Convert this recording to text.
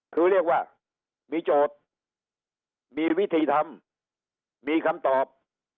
คือเรียกว่ามีโจทย์มีวิธีทำมีคำตอบ